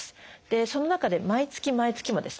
その中で毎月毎月もですね